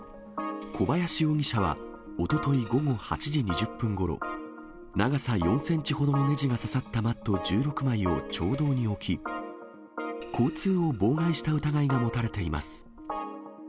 小林容疑者は、おととい午後８時２０分ごろ、長さ４センチほどのねじが刺さったマット１６枚を町道に置き、交通を妨害した疑いが持たれています。